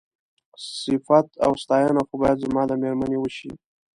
صيفت او ستاينه خو بايد زما د مېرمنې وشي.